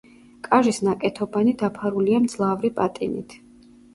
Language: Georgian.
კაჟის ნაკეთობანი დაფარულია მძლავრი პატინით.